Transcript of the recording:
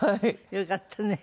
よかったね。